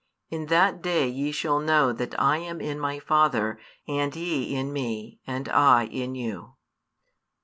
20 In that day ye shall know that I am in My Father, and ye in Me, and I in you.